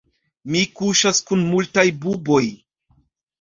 Mi kuŝas kun multaj buboj.